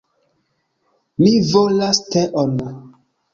Mi volas teon!